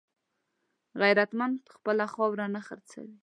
غیرتمند خپله خاوره نه خرڅوي